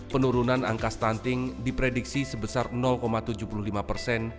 penurunan angka stunting diprediksi sebesar tujuh puluh lima persen